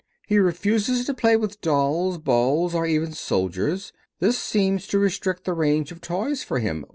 He refuses to play with dolls, balls, or even soldiers. This seems to restrict the range of toys for him.